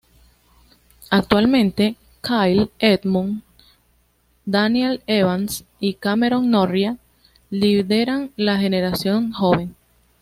Actualmente Kyle Edmund, Daniel Evans y Cameron Norrie lideran la generación joven.